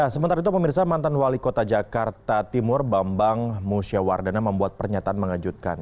sementara itu pemirsa mantan wali kota jakarta timur bambang musyawardana membuat pernyataan mengejutkan